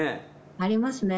ありますね。